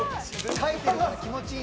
「耐えてるから気持ちいい」